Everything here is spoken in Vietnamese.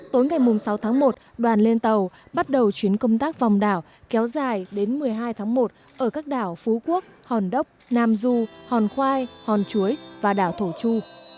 tối ngày sáu tháng một đoàn lên tàu bắt đầu chuyến công tác vòng đảo kéo dài đến một mươi hai tháng một ở các đảo phú quốc hòn đốc nam du hòn khoai hòn chuối và đảo thổ chu